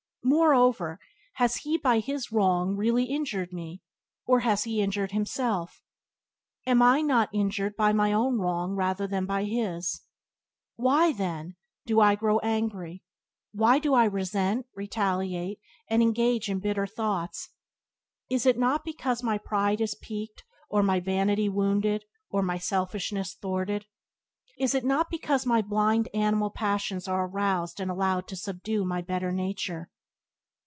Moreover, has he by his wrong really injured me, or has he injured himself? Am I not injured by my own wrong rather than by his? Why, then, do I grow angry? why do I resent, retaliate, and engage in bitter thoughts? Is it not because my pride is piqued or my vanity wounded or my selfishness thwarted? Is not because my blind animal passions are aroused and allowed to subdue my better nature?